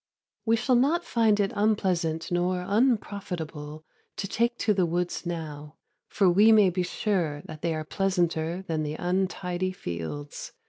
We shall not find it unpleasant nor unprofitable to take to the woods now, for we may be sure that they are pleasanter than the untidy fields.